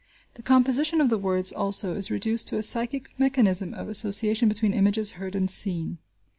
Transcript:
The composition of the words, also, is reduced to a psychic mechanism of association between images heard and seen.